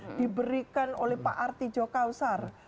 yang diberikan oleh pak arti jokausar